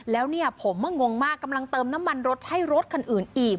แล้วเนี่ยผมงงมากกำลังเติมน้ำมันรถให้รถคันอื่นอีก